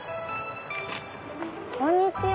こんにちは。